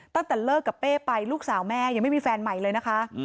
ตั้งแต่เลิกกับเป้ไปลูกสาวแม่ยังไม่มีแฟนใหม่เลยนะคะ